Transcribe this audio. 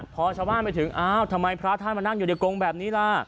พอชาวบ้านไปถึงอ้าวทำไมพระท่านมานั่งอยู่ในกงแบบนี้ล่ะ